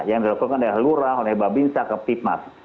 yang dilakukan dari lurah honebabinsa keptipmas